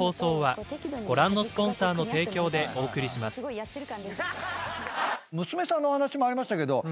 事件⁉娘さんのお話もありましたけど。